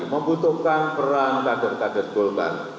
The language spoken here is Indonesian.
membutuhkan peran kader kader golkar